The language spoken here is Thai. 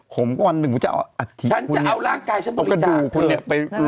ผมก็วันหนึ่งผมจะเอาอาทิตย์คุณเนี่ย